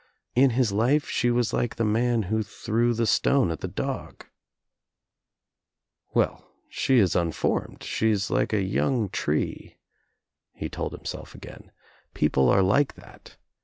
In his life she was like the man who threw the stone at dog. "Well, she is unformed; she is like a young tree," he told himself again. "People are like that.